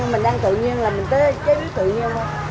mình ăn tự nhiên là mình kiếm tự nhiên thôi